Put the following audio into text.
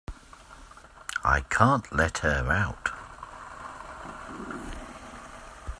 I can't let her out.